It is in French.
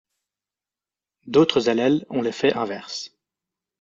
D'autres allèles ont l'effet inverse.